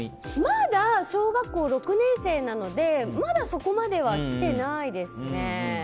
まだ小学校６年生なのでまだそこまでは来ていないですね。